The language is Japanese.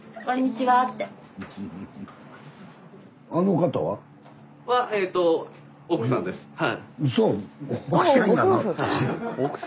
はい。